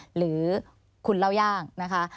หรือคุณเล่าย่างนะคะ